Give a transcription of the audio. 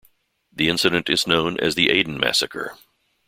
The incident is known as the Ehden massacre.